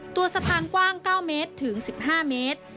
ตัวสะพานกว้าง๙เมตรถึง๑๕เมตร